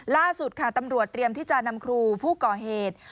ล่าสุดค่ะตำรวจเตรียมที่จะนำครูผู้ก่อเหตุ